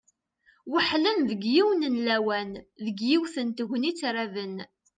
Weḥlen deg yiwen n lawan, deg yiwet n tegnit raben.